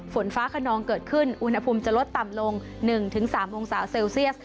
ฝนฟ้าขนองเกิดขึ้นอุณหภูมิจะลดต่ำลง๑๓องศาเซลเซียส